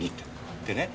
でね。